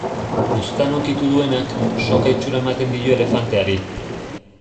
Buztana ukitu duenak, soka itxura ematen dio elefanteari.